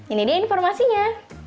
ini dia informasinya